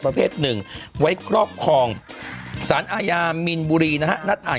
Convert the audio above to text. ประเภทหนึ่งไว้ครอบครองสารอาญามีนบุรีนะฮะนัดอ่าน